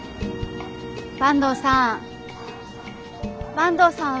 坂東さん。